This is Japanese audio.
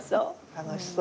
楽しそう。